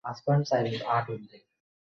সবকিছু বাদ দিয়ে তার খেয়াল রাখো।